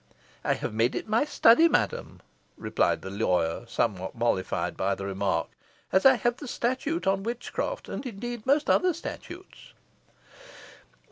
"I have made it my study, madam," replied the lawyer, somewhat mollified by the remark, "as I have the statute on witchcraft, and indeed most other statutes."